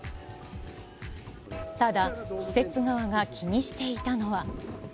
ただ、施設側が気にしていたのは。